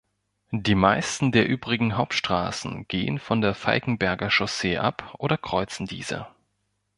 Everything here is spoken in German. Die meisten der übrigen Hauptstraßen gehen von der Falkenberger Chaussee ab oder kreuzen diese.